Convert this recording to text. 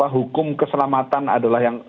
hukum keselamatan adalah yang